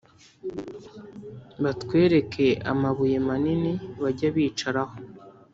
batwereka amabuye manini bajya bicaraho